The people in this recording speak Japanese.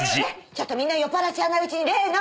ちょっとみんな酔っ払っちゃわないうちに例の。